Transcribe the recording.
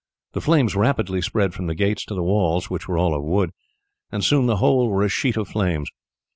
The flames rapidly spread from the gates to the walls, which were all of wood, and soon the whole were a sheet of flames.